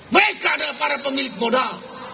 mereka adalah para pemilik modal